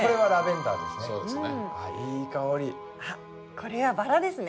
これはバラですね。